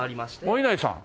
お稲荷さん？